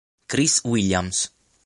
Chris Williams